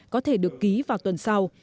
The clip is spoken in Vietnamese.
có thể được ký vào tuần sau